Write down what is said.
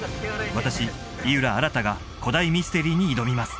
私井浦新が古代ミステリーに挑みます